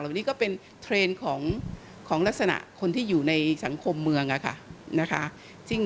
วันนี้ก็เป็นเทรนด์ของลักษณะคนที่อยู่ในสังคมเมืองนะคะ